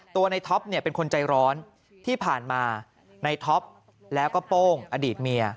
ในท็อปเนี่ยเป็นคนใจร้อนที่ผ่านมาในท็อปแล้วก็โป้งอดีตเมีย